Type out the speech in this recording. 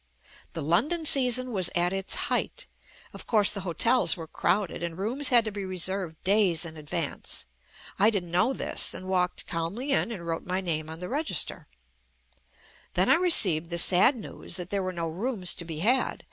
The London season was at its height. Of course, the hotels were crowded and rooms had to be reserved days in advance. I didn't know this and JUST ME walked calmly in and wrote my name on the register. Then I received the sad news that there were no rooms to be had.